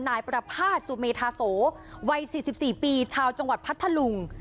นายประภาษณ์สุเมธาโสวัย๔๔ปีชาวจังหวัดพัทธลุง